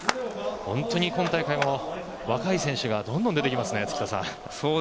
本当に今大会も若い選手がどんどん出てきますね。